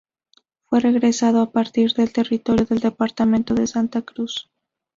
Fue segregado a partir del territorio del departamento de Santa Cruz.